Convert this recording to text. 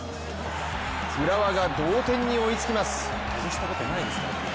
浦和が同点に追いつきます。